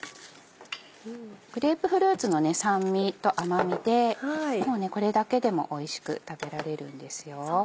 グレープフルーツの酸味と甘味でこれだけでもおいしく食べられるんですよ。